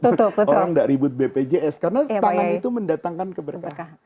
orang tidak ribut bpjs karena tangan itu mendatangkan keberkahan